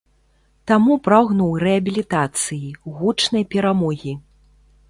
Таму прагнуў рэабілітацыі, гучнай перамогі.